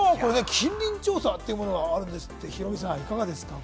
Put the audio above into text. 近隣調査というものがあるんですって、ヒロミさんいかがですか？